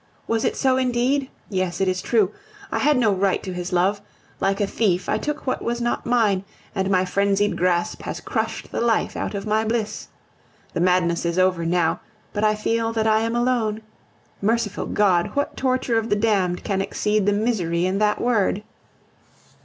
Was it so indeed? Yes, it is true, I had no right to his love. Like a thief, I took what was not mine, and my frenzied grasp has crushed the life out of my bliss. The madness is over now, but I feel that I am alone. Merciful God! what torture of the damned can exceed the misery in that word?